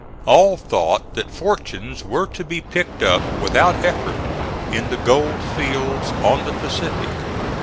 All thought that fortunes were to be picked up, without effort, in the gold fields on the Pacific.